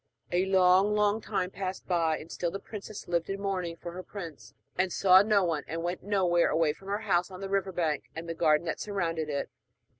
A long, long time passed by, and still the princess lived in mourning for her prince, and saw no one, and went nowhere away from her house on the river bank and the garden that surrounded it.